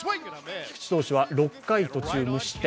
菊池投手は６回途中無失点。